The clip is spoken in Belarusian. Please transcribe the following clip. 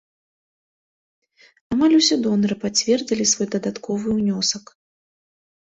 Амаль усе донары пацвердзілі свой дадатковы ўнёсак.